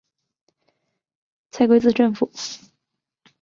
蔡圭字正甫。